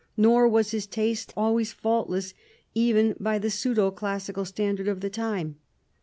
Nor was his taste always faultless, even by the pseudo classical standard of the time.